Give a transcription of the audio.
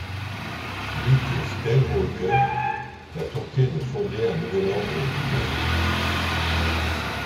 Luke Skywalker va tenter de fonder un nouvel Ordre Jedi.